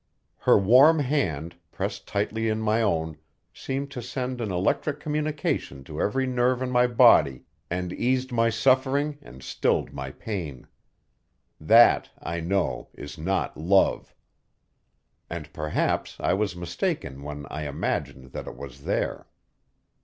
Her warm hand, pressed tightly in my own, seemed to send an electric communication to every nerve in my body and eased my suffering and stilled my pain. That, I know, is not love; and perhaps I was mistaken when I imagined that it was there.